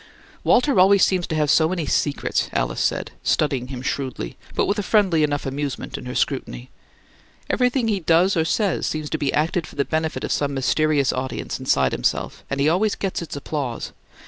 "Walter always seems to have so many secrets!" Alice said, studying him shrewdly, but with a friendly enough amusement in her scrutiny. "Everything he does or says seems to be acted for the benefit of some mysterious audience inside himself, and he always gets its applause.